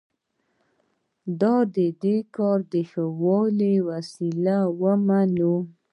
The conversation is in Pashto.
دا د کار د ښه والي وسیله ومني.